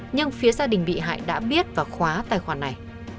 nhưng phía gia đình bị hại đã biết và khóa tài khoản này